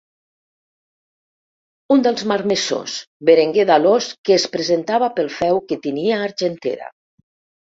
Un dels marmessors, Berenguer d'Alòs que es presentava pel feu que tenia a Argentera.